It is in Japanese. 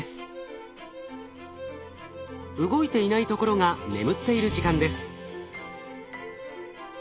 動いていないところが眠っている時間です。